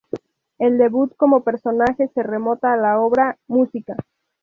El debut como personaje se remonta a la obra "¿Música?